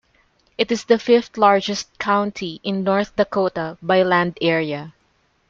It is the fifth-largest county in North Dakota by land area.